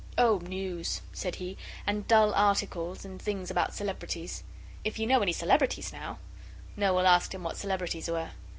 'Oh, news,' said he, 'and dull articles, and things about Celebrities. If you know any Celebrities, now?' Noel asked him what Celebrities were.